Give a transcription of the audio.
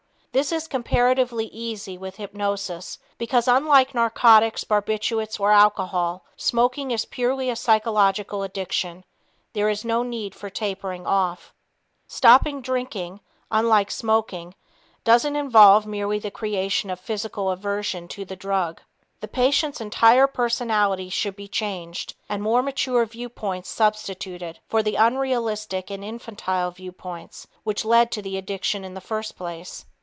This is comparatively easy with hypnosis because, unlike narcotics, barbiturates or alcohol, smoking is purely a psychological addiction. There is no need for tapering off. Stopping drinking, unlike smoking, doesn't involve merely the creation of a physical aversion to the drug. The patient's entire personality should be changed and more mature viewpoints substituted for the unrealistic and infantile viewpoints which lead to the addiction in the first place.